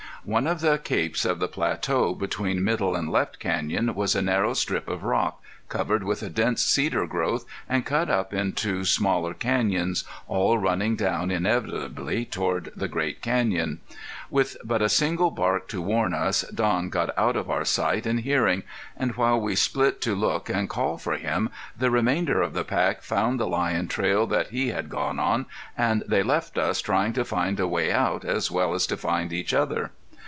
One of the capes of the plateau between Middle and Left Canyon was a narrow strip of rock, covered with a dense cedar growth and cut up into smaller canyons, all running down inevitably toward the great canyon. With but a single bark to warn us, Don got out of our sight and hearing; and while we split to look and call for him the remainder of the pack found the lion trail that he had gone on, and they left us trying to find a way out as well as to find each other.